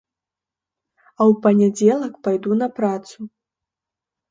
А ў панядзелак пайду на працу.